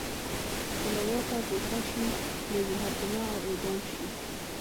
که له واکه ګوښه شي نو محاکمه او اعدام شي